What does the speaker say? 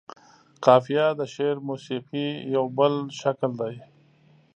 قافيه د شعر موسيقۍ يو بل شکل دى.